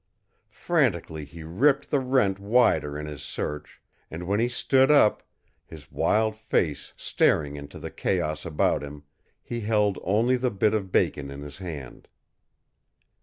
Frantically he ripped the rent wider in his search, and when he stood up, his wild face staring into the chaos about him, he held only the bit of bacon in his hand.